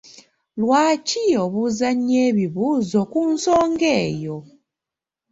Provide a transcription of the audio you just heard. Lwaki obuuza nnyo ebibuuzo ku nsonga eyo?